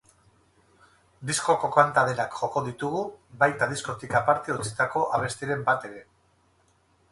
Diskoko kanta denak joko ditugu, baita diskotik aparte utzitako abestiren bat ere.